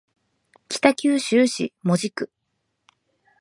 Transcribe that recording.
北九州市門司区